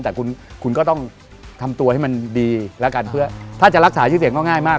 แต่คุณคุณก็ต้องทำตัวให้มันดีแล้วกันเพื่อถ้าจะรักษาชื่อเสียงก็ง่ายมาก